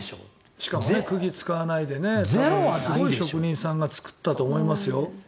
しかも、くぎを使わないですごい職人さんが作ったと思いますよ。